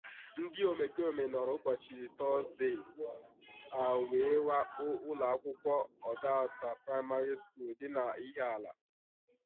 Ndị omekoome nọrọ ụbọchị Tuzdee a wee wakpò ụlọakwụkwọ 'Odoata Primary School' dị n'Ihiala